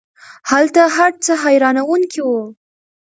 هلته هر څه حیرانوونکی وو.